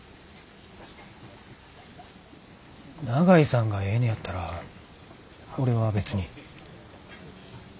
長井さんがええねやったら俺は別に。